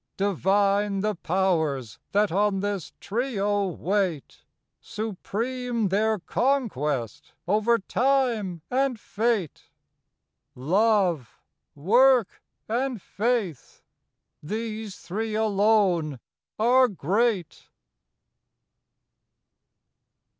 Divine the Powers that on this trio wait. Supreme their conquest, over Time and Fate. Love, Work, and Faith—these three alone are great.